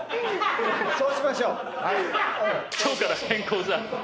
そうしましょう。